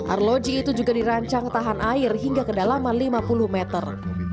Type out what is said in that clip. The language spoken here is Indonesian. arloji itu juga dirancang tahan air hingga kedalaman lima puluh meter